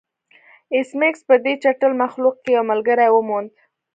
ایس میکس په دې چټل مخلوق کې یو ملګری وموند